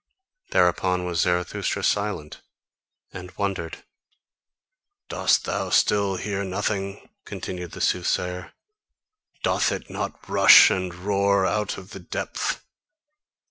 Thereupon was Zarathustra silent and wondered. "Dost thou still hear nothing?" continued the soothsayer: "doth it not rush and roar out of the depth?"